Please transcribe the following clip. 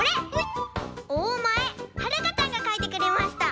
おおまえはるかちゃんがかいてくれました。